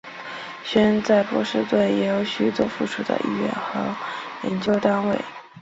学院在波士顿也有许多附属的医院和研究单位。